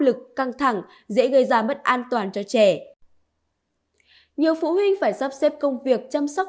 lực căng thẳng dễ gây ra mất an toàn cho trẻ nhiều phụ huynh phải sắp xếp công việc chăm sóc